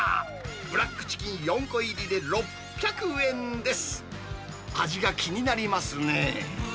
ブラックチキン４個入りで６００円です。